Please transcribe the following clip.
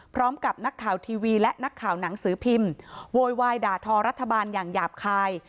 พร้อมกับนักข่าวทีวีและนักข่าวหนังสือพิมพ์โวยวายด่าทอรัฐบาลอย่างหยาบคาย